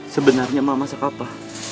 sebenarnya mak masak apa